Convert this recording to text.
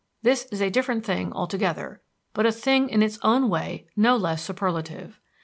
This is a different thing altogether, but a thing in its own way no less superlative.